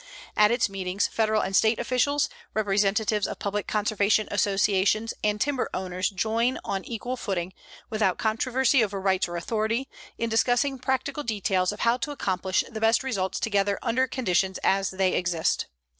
At its meetings Federal and State officials, representatives of public conservation associations and timber owners join on equal footing, without controversy over rights or authority, in discussing practical details of how to accomplish the best results together under conditions as they exist.